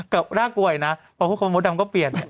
กับหน้าก่วยนะพอพูดคำว่าหมดดำก็เปลี่ยน